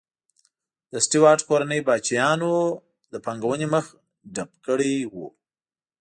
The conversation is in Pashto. د سټیورات کورنۍ پاچاهانو د پانګونې مخه ډپ کړې وه.